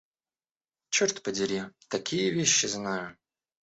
Чёрт подери! такие вещи знаю...